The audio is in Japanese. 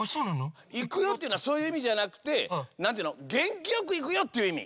「いくよ」っていうのはそういういみじゃなくて「げんきよくいくよ」っていういみ！